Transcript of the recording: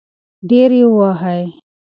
ډېر يې ووهی .